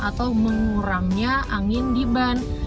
atau mengurangnya angin di ban